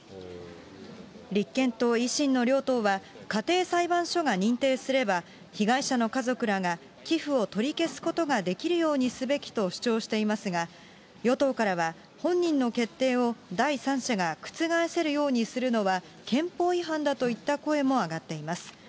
立憲と維新の両党は、家庭裁判所が認定すれば、被害者の家族らが寄付を取り消すことができるようにすべきと主張していますが、与党からは、本人の決定を第三者が覆せるようにするのは憲法違反だといった声も上がっています。